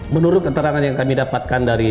menurut keterangan yang kami dapatkan dari